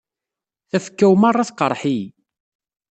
Tafekka-w merra tqerreḥ-iyi.